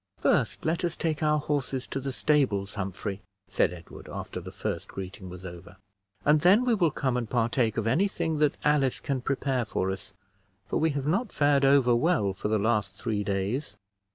"First, let us take our horses to the stables, Humphrey," said Edward, after the first greeting was over, "and then we will come and partake of any thing that Alice can prepare for us, for we have not fared over well for the last three days."